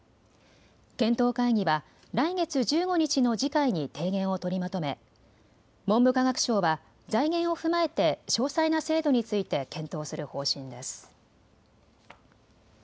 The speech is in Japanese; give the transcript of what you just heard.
検討会議は来月１５日の次回に提言を取りまとめ文部科学省は財源を踏まえて詳細な制度について検討する方針です。